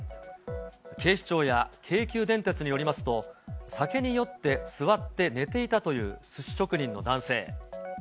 警視庁や京急電鉄によりますと、酒に酔って座って寝ていたというすし職人の男性。